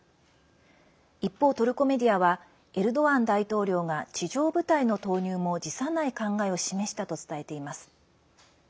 一方、トルコメディアはエルドアン大統領が地上部隊の投入も辞さない考えを示したと伝えています。